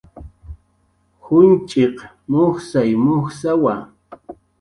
Junch'iq mujsay mujsawa